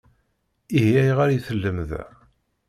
Ihi ayɣer i tellam da?